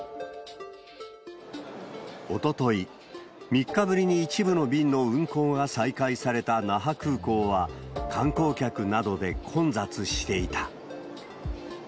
おととい、３日ぶりに一部の便の運航が再開された那覇空港は、観光客などで混雑していた。